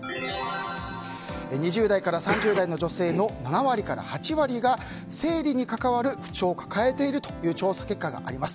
２０代から３０代の女性の７割から８割が生理に関わる不調を抱えているという調査結果があります。